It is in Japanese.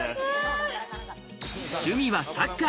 趣味はサッカー。